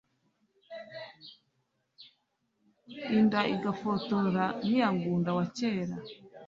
inda igafora nk'iya ngunda wa kera